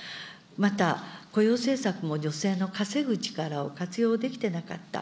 また、雇用政策も女性の稼ぐ力を活用できてなかった。